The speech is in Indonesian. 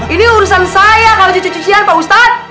ini urusan saya kalau dicuci cucian pak ustadz